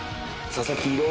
佐々木朗